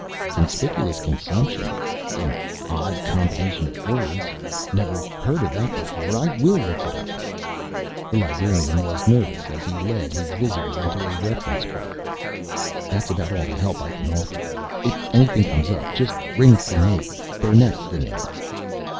"Conspicuous consumption? An odd combination of words. Never heard of that before. I will look it up." The librarian was nervous as he led his visitor into a reference booth. "That's about all the help I can offer. If anything comes up, just ring for me. Burnett's the name.